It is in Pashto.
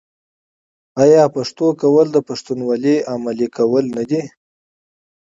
آیا پښتو کول د پښتونولۍ عملي کول نه دي؟